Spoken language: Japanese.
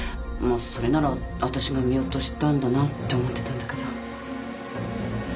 それなら私が見落としたんだなって思ってたんだけど。